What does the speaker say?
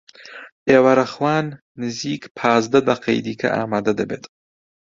ئێوارەخوان نزیک پازدە دەقەی دیکە ئامادە دەبێت.